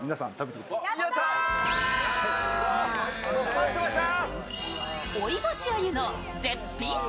待ってました！